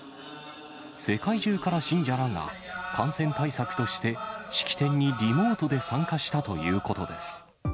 世界中から信者らが感染対策として、式典にリモートで参加したということです。